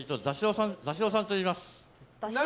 だしおさんといいます。